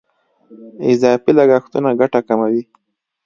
اضافي لګښتونه ګټه کموي.